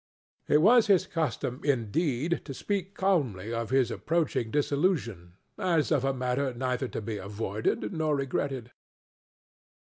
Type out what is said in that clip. It was his custom, indeed, to speak calmly of his approaching dissolution, as of a matter neither to be avoided nor regretted.